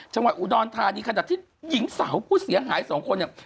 ชาวิดอุดรนทานี่ขนาดที่หญิงสาวผู้เสียหาย๒คน